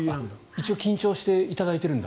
一応緊張していただいているんだ。